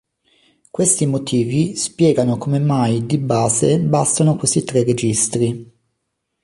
Questi motivi spiegano come mai di base bastano questi tre registri.